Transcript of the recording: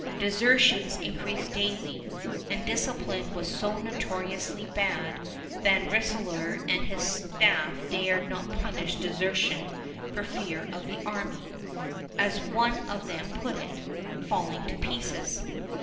Desertions increased daily, and discipline was so notoriously bad Van Rensselaer and his staff dared not punish desertion for fear of the army as one of them put it "falling to pieces."